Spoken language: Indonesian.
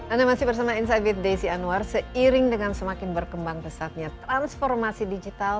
anda masih bersama insight with desi anwar seiring dengan semakin berkembang pesatnya transformasi digital